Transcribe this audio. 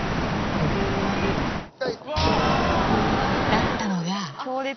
だったのが強烈。